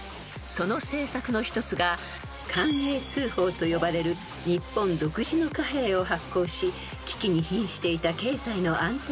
［その政策の一つが寛永通宝と呼ばれる日本独自の貨幣を発行し危機にひんしていた経済の安定をはかりました］